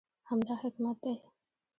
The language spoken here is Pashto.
همدا حکمت دی.